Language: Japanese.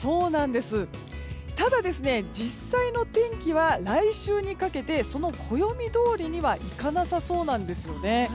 ただ実際の天気は来週にかけて暦どおりにはいかなさそうです。